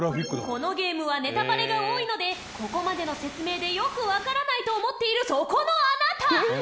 このゲームはネタバレが多いのでここまでの説明でよくわからないと思っているそこのあなた！